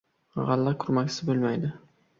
• G‘alla kurmaksiz bo‘lmaydi.